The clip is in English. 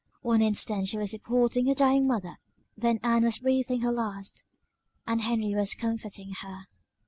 One instant she was supporting her dying mother; then Ann was breathing her last, and Henry was comforting her.